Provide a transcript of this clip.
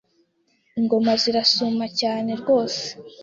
Ingoma zirasuma cyane Rwose